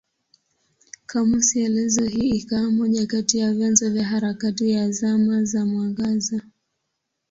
Kamusi elezo hii ikawa moja kati ya vyanzo vya harakati ya Zama za Mwangaza.